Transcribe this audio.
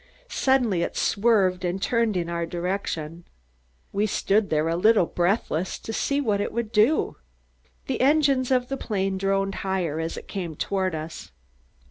Suddenly it swerved and turned in our direction. We stood there, a little breathless, to see what it would do. The engines of the plane droned higher as it came toward us.